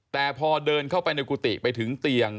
แต่พอเดินเข้าไปในกุฏิไปถึงเตียง